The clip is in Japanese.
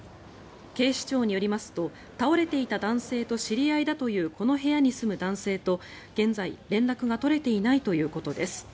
警視庁によりますと倒れていた男性と知り合いだというこの部屋に住む男性と現在、連絡が取れていないということです。